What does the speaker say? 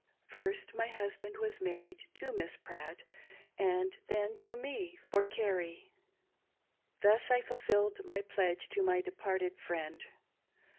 First, my husband was married to Miss Pratt ; and then to me for Carrie. Thus I fulfilled my pledge to my departed friend.